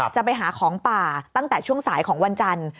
จะไปหาของป่าตั้งแต่ช่วงสายของวันจันทร์